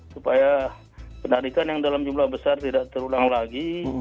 supaya penarikan yang dalam jumlah besar tidak terulang lagi